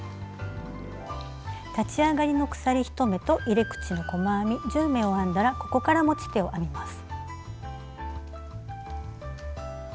立ち上がりの鎖１目と入れ口の細編み１０目を編んだらここから持ち手を編みます。